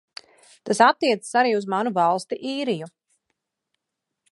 Tas attiecas arī uz manu valsti Īriju.